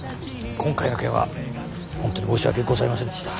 今回の件は本当に申し訳ございませんでした。